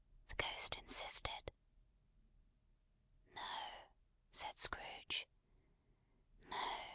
the Ghost insisted. "No," said Scrooge, "No.